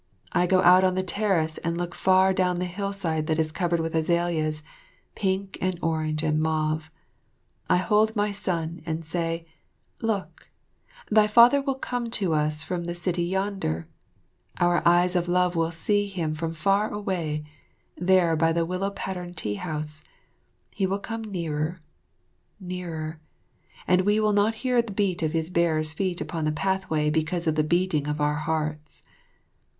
I go out on the terrace and look far down the hillside that is covered with azaleas, pink and orange and mauve. I hold my son and say, "Look, thy father will come to us from the city yonder. Our eyes of love will see him from far away, there by the willow pattern tea house. He will come nearer nearer and we will not hear the beat of his bearers' feet upon the pathway because of the beating of our hearts."